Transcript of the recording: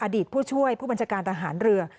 ผู้ช่วยผู้บัญชาการทหารเรือ